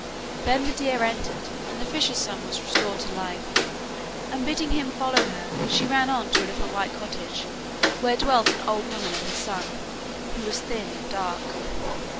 Then the deer entered, and the fisher's son was restored to life, and bidding him follow her, she ran on to a little white cottage where dwelt an old woman and her son, who was thin and dark.